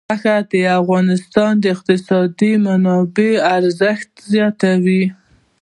غوښې د افغانستان د اقتصادي منابعو ارزښت زیاتوي.